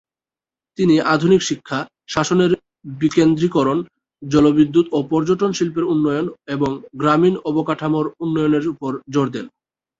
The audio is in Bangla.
তিনি আধুনিক শিক্ষা, শাসনের বিকেন্দ্রীকরণ, জলবিদ্যুৎ ও পর্যটন শিল্পের উন্নয়ন এবং গ্রামীণ অবকাঠামোর উন্নয়নের ওপর জোর দেন।